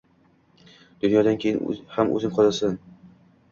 Dunyodan keyin ham O‘zing qolarsan.